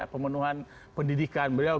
pemenuhan pendidikan beliau